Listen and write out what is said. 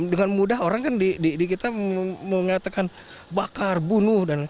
dengan mudah orang kan kita mengatakan bakar bunuh